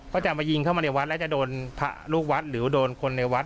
จะเอามายิงเข้ามาในวัดแล้วจะโดนพระลูกวัดหรือโดนคนในวัด